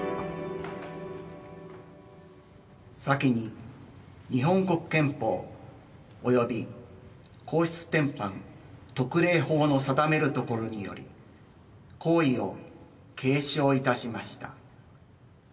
さきに日本国憲法及び皇室典範特例法の定めるところにより皇位を継承いたしました。